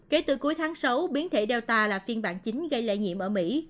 kể từ cuối tháng sáu biến thể data là phiên bản chính gây lây nhiễm ở mỹ